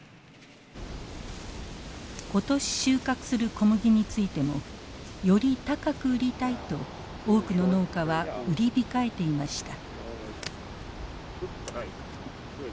今年収穫する小麦についてもより高く売りたいと多くの農家は売り控えていました。